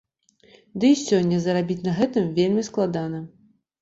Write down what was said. Ды і сёння зарабіць на гэтым вельмі складана.